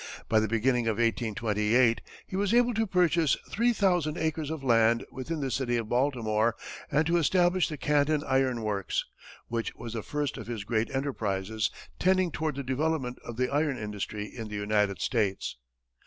By the beginning of 1828, he was able to purchase three thousand acres of land within the city of Baltimore and to establish the Canton iron works, which was the first of his great enterprises tending toward the development of the iron industry in the United States.